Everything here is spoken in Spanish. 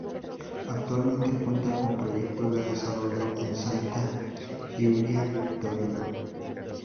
Actualmente, cuenta con proyectos de desarrollo en Santa Giulia, Torino.